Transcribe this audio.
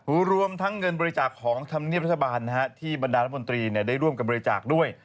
รวมทั้งเงินบริจาคของธรรมเนียบรัฐบาลนะฮะที่บรรดารัฐมนตรีเนี่ยได้ร่วมกับบริจาคด้วย